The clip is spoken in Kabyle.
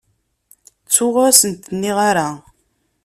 Ttuɣ ur asent-nniɣ ara.